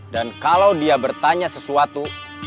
dan kalau dia bertanya sesuatu